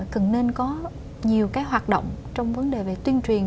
cần nên có nhiều cái hoạt động trong vấn đề về tuyên truyền